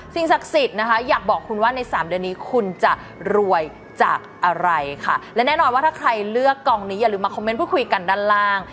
ศักดิ์สิทธิ์นะคะอยากบอกคุณว่าในสามเดือนนี้คุณจะรวยจากอะไรค่ะและแน่นอนว่าถ้าใครเลือกกองนี้อย่าลืมมาคอมเมนต์พูดคุยกันด้านล่าง